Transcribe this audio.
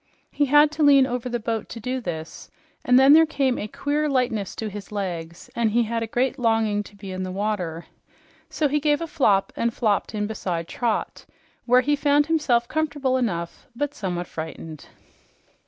He had to lean over the boat to do this, and then there came a queer lightness to his legs and he had a great longing to be in the water. So he gave a flop and flopped in beside Trot, where he found himself comfortable enough, but somewhat frightened.